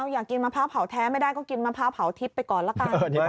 อยากกินมะพร้าวเผาแท้ไม่ได้ก็กินมะพร้าวเผาทิพย์ไปก่อนละกัน